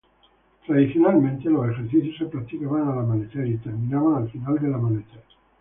Tradicionalmente, los ejercicios se practicaban al amanecer y terminaban al final del amanecer.